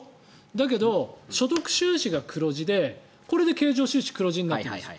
だけど、所得収支が黒字でこれで経常収支黒字になっているんですよ。